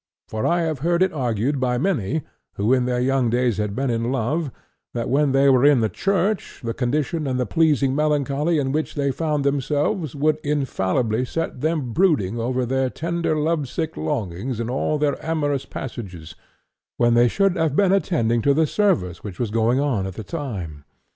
For I have heard it argued by many who, in their young days, had been in love that, when they were in the church, the condition and the pleasing melancholy in which they found themselves would infallibly set them brooding over all their tender love sick longings and all their amorous passages, when they should have been attending to the service which was going on at the time.